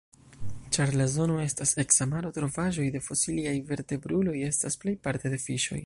Ĉar la zono estas eksa maro, trovaĵoj de fosiliaj vertebruloj estas plejparte de fiŝoj.